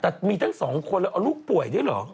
แต่มีทั้งสองคนแล้วเอาลูกป่วยด้วยเหรอ